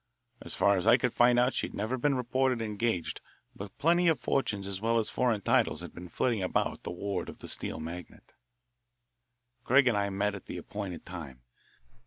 As far as I could find out she had never been reported engaged, but plenty of fortunes as well as foreign titles had been flitting about the ward of the steel magnate. Craig and I met at the appointed time.